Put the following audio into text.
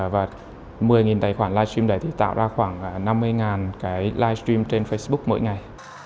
và một mươi tài khoản livestream đấy thì tạo ra khoảng năm mươi cái livestream trên facebook mỗi ngày